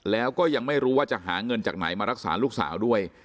แล้วก็ยังไม่รู้ว่าจะหาเงินจากไหนมารักษาลูกสาวด้วย